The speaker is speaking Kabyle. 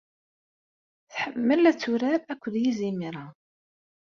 Tḥemmel ad turar akked yizimer-a.